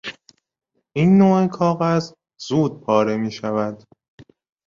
این نوع کاغذ زود پاره میشود.